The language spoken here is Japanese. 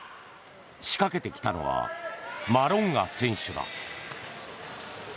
仕掛けてきたのはマロンガ選手だ。